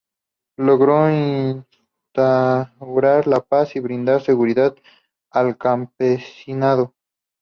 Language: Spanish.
Logró instaurar la paz y brindar seguridad al campesinado.